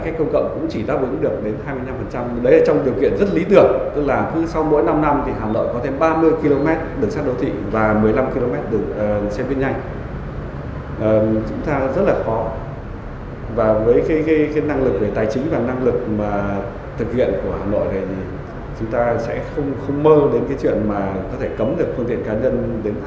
chuyện mà có thể cấm được phương tiện cá nhân đến tận hai nghìn năm mươi